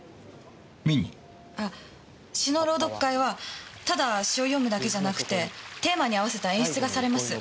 あっ詩の朗読会はただ詩を詠むだけじゃなくてテーマに合わせた演出がされます。